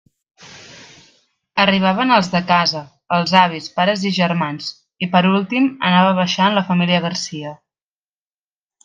Arribaven els de casa: els avis, pares i germans, i per últim anava baixant la família Garcia.